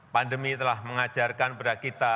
pandemi telah mengajarkan kepada kita